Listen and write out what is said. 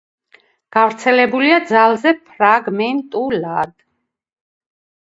გავრცელებულია ძალზე ფრაგმენტულად.